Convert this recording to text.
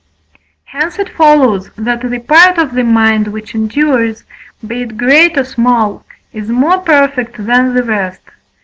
Hence it follows that the part of the mind which endures, be it great or small, is more perfect than the rest.